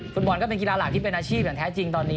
ฟุตบอลก็เป็นกีฬาหลักที่เป็นอาชีพอย่างแท้จริงตอนนี้